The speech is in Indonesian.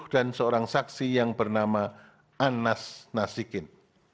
dan seorang saksi yang bernama anas nasikin